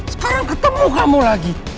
sekarang ketemu kamu lagi